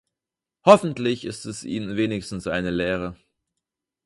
Hoffentlich ist es Ihnen wenigstens eine Lehre.